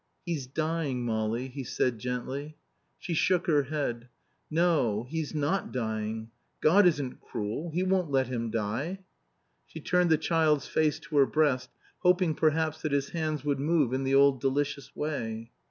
"He's dying, Molly," he said gently. She shook her head. "No; he's not dying. God isn't cruel. He won't let him die." She turned the child's face to her breast, hoping perhaps that his hands would move in the old delicious way.